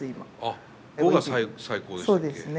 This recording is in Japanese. あっ５が最高でしたっけ？